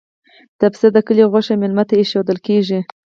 د پسه د کلي غوښه میلمه ته ایښودل کیږي.